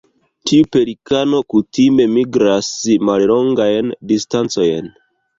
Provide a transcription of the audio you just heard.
Tiu pelikano kutime migras mallongajn distancojn.